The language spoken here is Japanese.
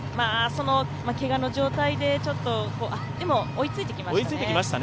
けがの状態で、でも追いついてきましたね。